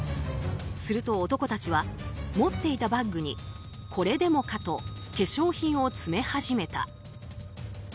すると男たちは持っていたバッグにこれでもかと化粧品を詰め始めた。